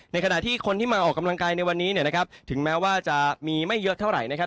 ขณะที่คนที่มาออกกำลังกายในวันนี้เนี่ยนะครับถึงแม้ว่าจะมีไม่เยอะเท่าไหร่นะครับ